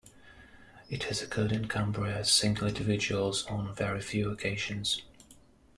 It has occurred in Cumbria as single individuals on very few occasions.